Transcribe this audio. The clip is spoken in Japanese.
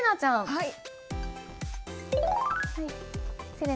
はい。